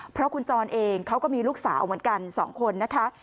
เพราะคุณจรเองเขาก็มีลูกสาวเหมือนกัน๒คนนะคะ